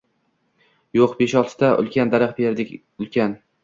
Yo‘q, besh-oltita ulkan daraxt kerak, ulkan!»